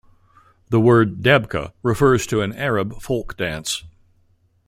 The word "Debka" refers to an Arab folk dance.